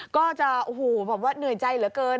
ก็จะเหนื่อยใจเหลือเกิน